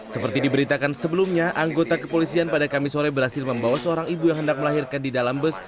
seperti diberitakan sebelumnya anggota kepolisian pada kamis sore berhasil membawa seorang ibu yang hendak melahirkan di dalam bus